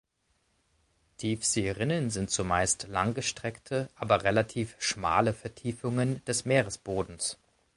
Tiefseerinnen sind zumeist langgestreckte, aber relativ schmale Vertiefungen des Meeresbodens.